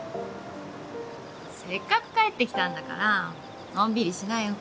せっかく帰ってきたんだからのんびりしなよ。